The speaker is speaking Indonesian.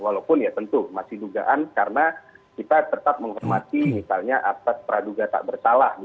walaupun ya tentu masih dugaan karena kita tetap menghormati misalnya asas peraduga tak bersalah